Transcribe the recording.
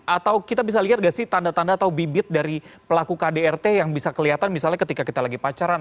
atau kita bisa lihat nggak sih tanda tanda atau bibit dari pelaku kdrt yang bisa kelihatan misalnya ketika kita lagi pacaran